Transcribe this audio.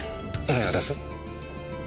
何がです？